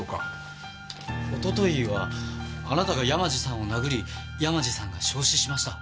一昨日はあなたが山路さんを殴り山路さんが焼死しました。